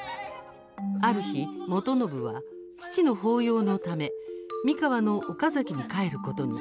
ある日、元信は父の法要のため三河の岡崎に帰ることに。